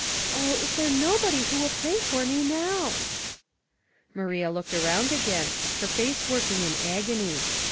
Oh, is there nobody who will pray for me now ?" Maria looked around again, her face working in agony.